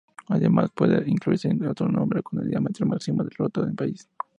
Además, puede que incluirse otro número con el diámetro máximo del rotor en pies.